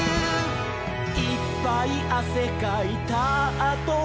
「いっぱいあせかいたあとは」